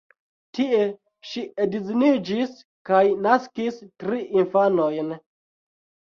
Tie ŝi edziniĝis kaj naskis tri infanojn.